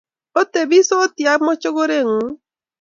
otebisoti ak mochokoreng'ung?